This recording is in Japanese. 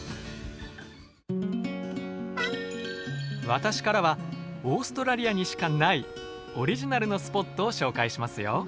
私からはオーストラリアにしかないオリジナルのスポットを紹介しますよ。